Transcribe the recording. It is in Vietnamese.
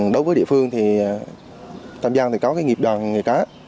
đối với địa phương thì tâm giang có nghiệp đoàn người cá